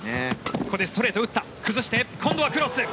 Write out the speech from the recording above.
ここでストレートを打った崩して今度はクロス。